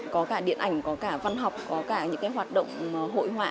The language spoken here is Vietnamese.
có cả điện ảnh có cả văn học có cả những hoạt động hội họa